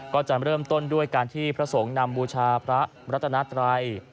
ก็จะเริ่มต้นด้วยการที่พระสงฆ์นำบูชาพระรัตนาตรัย